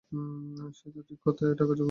সে তো ঠিক কথা, তা টাকার জোগাড় করতে পেরেছ?